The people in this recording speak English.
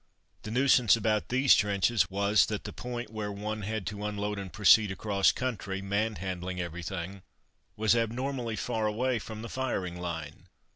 The nuisance about these trenches was that the point where one had to unload and proceed across country, man handling everything, was abnormally far away from the firing line.